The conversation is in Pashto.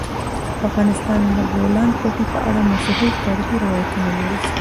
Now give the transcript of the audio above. افغانستان د د بولان پټي په اړه مشهور تاریخی روایتونه لري.